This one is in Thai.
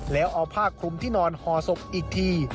แล้วเอาผ้าคลุมที่นอนห่อศพอีกที